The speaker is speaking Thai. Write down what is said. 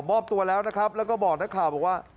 บอบตัวแล้วนะครับแล้วก็บอกนะครับว่า